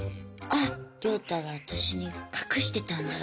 あっ亮太が私に隠してたんだわ